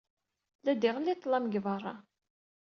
La d-iɣelli ḍḍlam deg beṛṛa.